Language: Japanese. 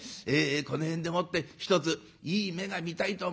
この辺でもってひとついい目が見たいと思うんでございます。